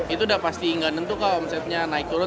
itu udah pasti nggak tentu kalau omsetnya naik turun